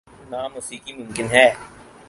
نہ موسیقی ممکن ہے۔